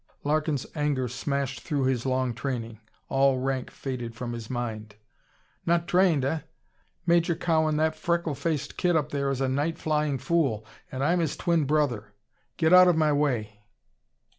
Larkin's anger smashed through his long training. All rank faded from his mind. "Not trained, eh? Major Cowan, that freckle faced kid up there is a night flying fool and I'm his twin brother. Get out of my way.